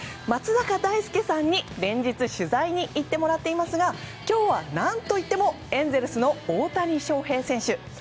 松坂大輔さんに連日取材に行ってもらっていますが今日は何といってもエンゼルスの大谷翔平選手。